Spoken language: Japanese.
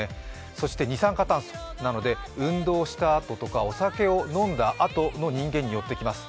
そして二酸化炭素なので、運動したあととかお酒を飲んだあとの人間に寄ってきます。